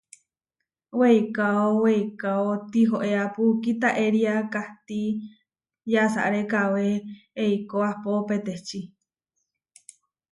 Weikáo weikáo tihoéapu kitaéria, kahtí yasaré kawé eikó ahpó peteči.